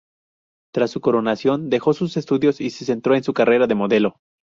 Tras su coronación dejó sus estudios y se centró en su carrera de modelo.